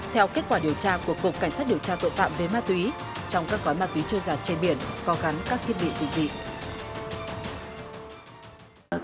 theo kết quả điều tra của cục cảnh sát điều tra tội phạm về ma túy